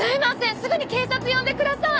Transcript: すぐに警察呼んでください！